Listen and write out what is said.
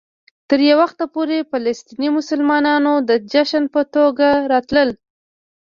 تر یو وخته پورې فلسطيني مسلمانانو د جشن په توګه راتلل.